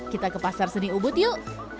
kita ke pasar seni ubud yuk